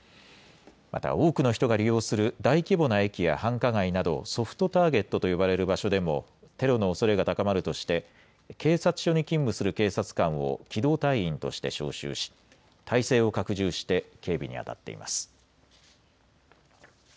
また多くの人が利用する大規模な駅や繁華街などソフトターゲットと呼ばれる場所でもテロのおそれが高まるとして警察署に勤務する警察官を機動隊員として招集し態勢を拡充して警備にあたっています。